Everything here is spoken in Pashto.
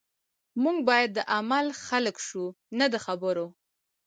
موږ باید د عمل خلک شو نه د خبرو